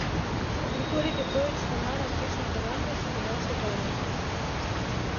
Григорий Петрович Тамаран кидшым кораҥдыш, кынел шогале: